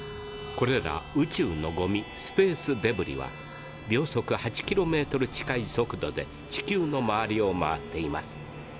これら宇宙のゴミスペースデブリは秒速８キロメートル近い速度で地球の周りを回っています。